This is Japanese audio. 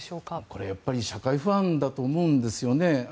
これはやっぱり社会不安だと思うんですよね。